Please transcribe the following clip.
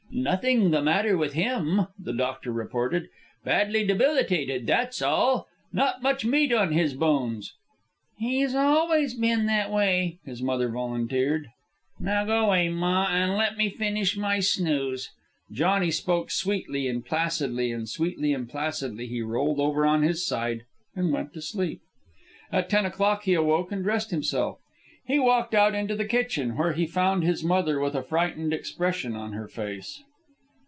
"Nothing the matter with him," the doctor reported. "Badly debilitated, that's all. Not much meat on his bones." "He's always been that way," his mother volunteered. "Now go 'way, ma, an' let me finish my snooze." Johnny spoke sweetly and placidly, and sweetly and placidly he rolled over on his side and went to sleep. At ten o'clock he awoke and dressed himself. He walked out into the kitchen, where he found his mother with a frightened expression on her face.